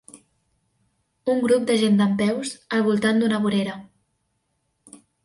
Un grup de gent dempeus al voltant d'una vorera.